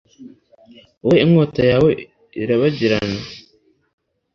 wowe inkota yawe irabagirana